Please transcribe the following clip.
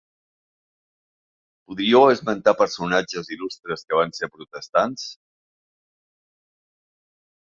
Podríeu esmentar personatges il·lustres que van ser protestants?